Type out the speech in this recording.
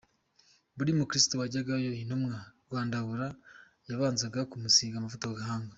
Buri mukristo wajyagayo Intumwa Rwandamura yabanzaga kumusiga amavuta ku gahanga.